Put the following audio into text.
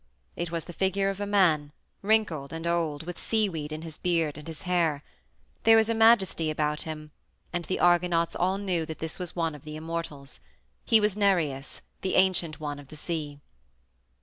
It was the figure of a man, wrinkled and old, with seaweed in his beard and his hair. There was a majesty about him, and the Argonauts all knew that this was one of the immortals he was Nereus, the ancient one of the sea.